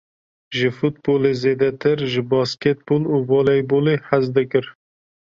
Ji futbolê zêdetir, ji bastekbol û voleybolê hez dikir.